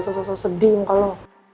gak usah sedih enggak lo